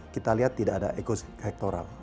kita lihat tidak ada ekoktoral